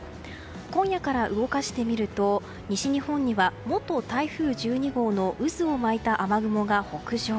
今夜から動かしてみると西日本には元台風１２号の渦を巻いた雨雲が北上。